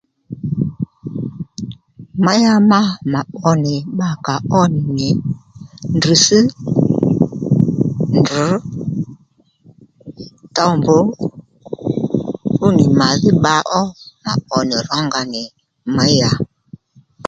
Měya má mà pbo nì bba kà ó nì ndrr̀tss, ndrr̀,towmbù fú nì mà dhí bba ó mà pbo nì rǒnga nì měya